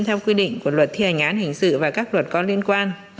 theo quy định của luật thi hành án hình sự và các luật có liên quan